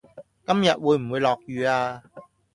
今日會唔會落雨呀